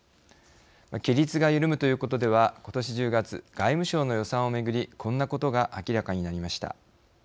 規律が緩むということではことし１０月外務省の予算をめぐりこんなことが明らかになりました。